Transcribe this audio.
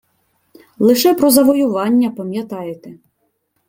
Лише про завоювання пам'ятаєте